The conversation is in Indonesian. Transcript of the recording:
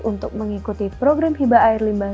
untuk mengikuti program hiba air limbah